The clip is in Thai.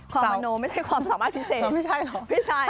ความมโนไม่ใช่ความสามารถพิเศษพี่ชัยไม่ใช่เหรอ